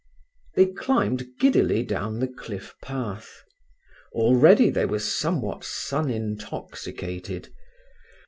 They climbed giddily down the cliff path. Already they were somewhat sun intoxicated.